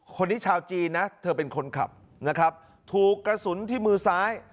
คนนี้ชาวจีนนะเธอเป็นคนขับนะครับถูกกระสุนที่มือซ้าย